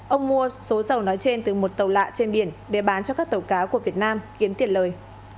ông mua số dầu nói trên từ một tàu lạ trên biển để bán cho các tàu cá của việt nam kiếm tiền lời